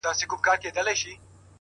-د هر اواز سره واخ- واخ پورته کړي-